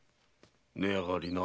値上がりな。